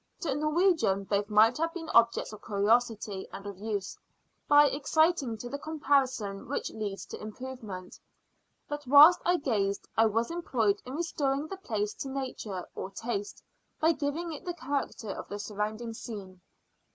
To a Norwegian both might have been objects of curiosity; and of use, by exciting to the comparison which leads to improvement. But whilst I gazed, I was employed in restoring the place to nature, or taste, by giving it the character of the surrounding scene.